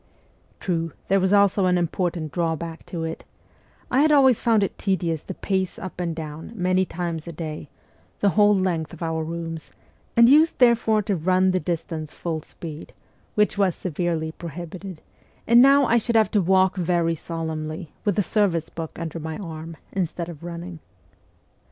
True, there was also an important drawback to it : I had always found it tedious to pace up and down, many times a day, the whole length of our rooms, and used therefore to run the distance full speed, which was severely prohibited ; and now I should have to walk very solemnly, with the service book under my arm, instead of running